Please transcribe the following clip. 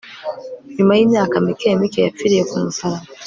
nyuma yimyaka mike mike, yapfiriye kumusaraba